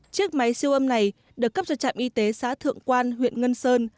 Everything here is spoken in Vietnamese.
chiếc máy siêu âm này được cấp cho trạm y tế xã thượng quan huyện ngân sơn